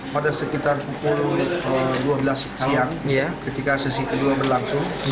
pada sekitar pukul dua belas siang ketika sesi kedua berlangsung